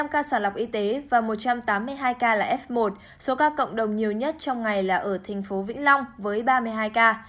năm ca sản lọc y tế và một trăm tám mươi hai ca là f một số ca cộng đồng nhiều nhất trong ngày là ở thành phố vĩnh long với ba mươi hai ca